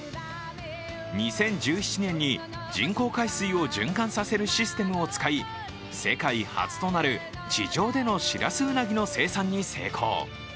２０１７年に人工海水を循環させるシステムを使い、世界初となる地上でのシラスウナギの生産に成功。